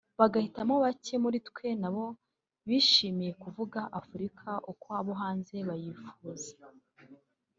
bagahitamo bake muri twe nabo bishimiye kuvuga Afurika uko abo hanze bayifuza